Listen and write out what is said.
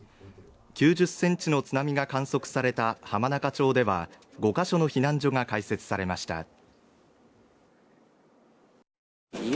９０センチの津波が観測された浜中町では５ヶ所の避難所が開設されました。